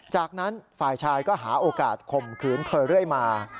จากนั้นฝ่ายชายก็หาโอกาสข่มขืนเธอเรื่อยมา